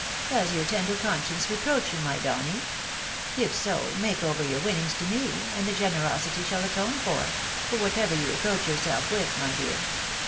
" Does your tender conscience reproach you, my Donny ? If so, make over your winnings to me, and the gene rosity shall atone for — for whatever you reproach yourself with, my dear."